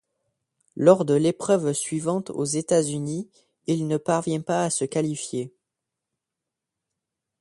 Lors de l'épreuve suivante aux États-Unis, il ne parvient pas à se qualifier.